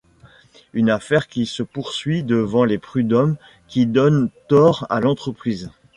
Une affaire qui se poursuit devant les prudhommes qui donnent tort à l'entreprise.